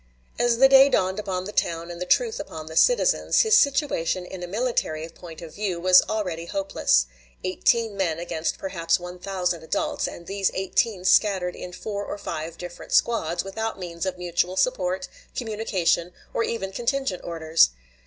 As the day dawned upon the town and the truth upon the citizens, his situation in a military point of view was already hopeless eighteen men against perhaps 1000 adults, and these eighteen scattered in four or five different squads, without means of mutual support, communication, or even contingent orders!